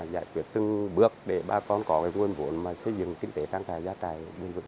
giải quyết từng bước để ba con có nguồn vốn mà xây dựng kinh tế trang trại gia trại